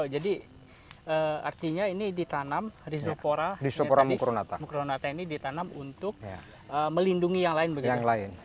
jadi artinya ini ditanam risopora mungkurnata ini ditanam untuk melindungi yang lain